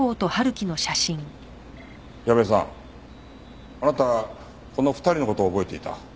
矢部さんあなたこの２人の事を覚えていた。